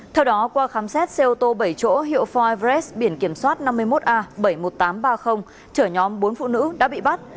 theo đó qua khám xét xe ô tô bảy chỗ hiệu foy brex biển kiểm soát năm mươi một a bảy mươi một nghìn tám trăm ba mươi chở nhóm bốn phụ nữ đã bị bắt